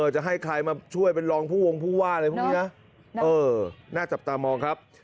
จะให้ใครมาช่วยเป็นลองพูดวงพูว่าเลยนะหน้าจับตามมองครับ